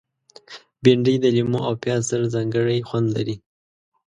بېنډۍ د لیمو او پیاز سره ځانګړی خوند لري